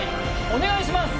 お願いします